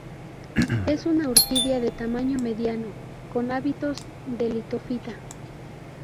Es una orquídea de tamaño mediano, con hábitos de litofita.